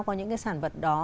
có những cái sản vật đó